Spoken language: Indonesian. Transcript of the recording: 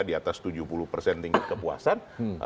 di atas tujuh puluh persen tingkat kepuasan